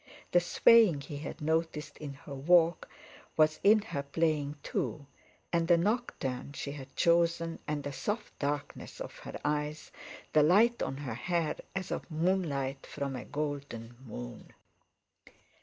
The swaying he had noticed in her walk was in her playing too, and the Nocturne she had chosen and the soft darkness of her eyes, the light on her hair, as of moonlight from a golden moon.